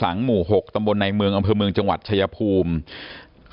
หมู่หกตำบลในเมืองอำเภอเมืองจังหวัดชายภูมิ